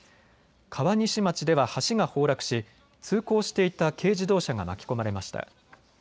川西町では橋が崩落し通行していた軽自動車が巻き込まれました。